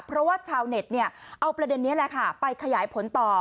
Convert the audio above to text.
เพราะว่าชาวเน็ตเอาประเด็นนี้แหละค่ะไปขยายผลต่อ